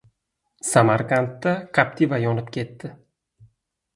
Samarqandda “Captiva” yonib ketdi